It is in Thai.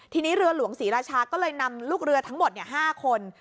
ทีนี้เรือหลวงศรีราชาก็เลยนำลูกเรือทั้งหมด๕คน